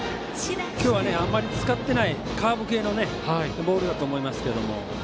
きょうはあんまり使っていないカーブ系のボールだと思いますけれども。